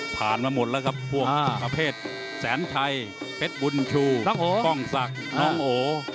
ผ่านมาหมดแล้วครับพวกประเภทแสนชัยเพชรบุญชูป้องศักดิ์น้องโอ